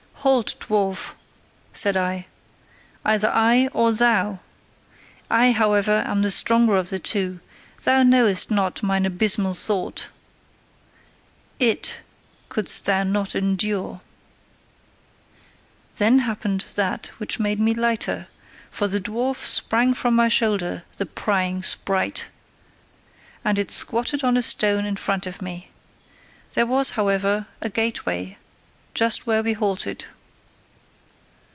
"Halt, dwarf!" said I. "Either I or thou! I, however, am the stronger of the two: thou knowest not mine abysmal thought! IT couldst thou not endure!" Then happened that which made me lighter: for the dwarf sprang from my shoulder, the prying sprite! And it squatted on a stone in front of me. There was however a gateway just where we halted.